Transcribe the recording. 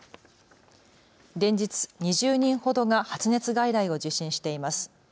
連日２０人ほどが発熱外来を受診しています。